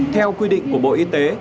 theo quy định của bộ y tế